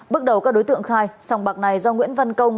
bước đầu các đối tượng khai sòng bạc này do nguyễn văn công